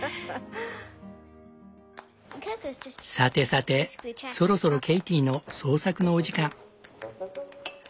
さてさてそろそろケイティの創作のお時間。